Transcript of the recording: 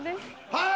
はい！